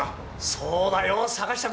そうだよ坂下君！